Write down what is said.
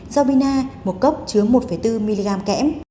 giàu bina một cốc chứa một bốn mg kẽm